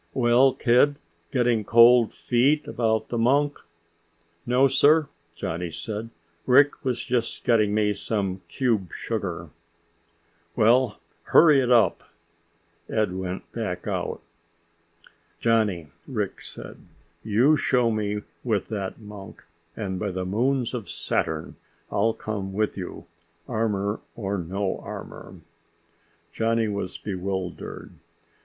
"Well, kid, getting cold feet about the monk?" "No, sir!" Johnny said. "Rick was just getting me some cube sugar." "Well, hurry it up." Ed went back out. "Johnny," Rick said, "you show me with that monk, and by the moons of Saturn, I'll come with you, armor or no armor!" Johnny was bewildered.